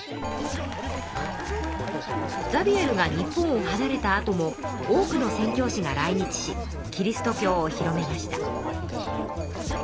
ザビエルが日本をはなれたあとも多くの宣教師が来日しキリスト教を広めました。